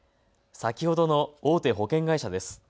先ほどの大手保険会社です。